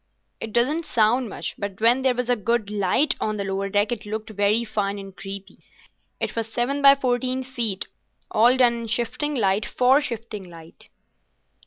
It doesn't sound much, but when there was a good light on the lower deck it looked very fine and creepy. It was seven by fourteen feet, all done in shifting light for shifting light."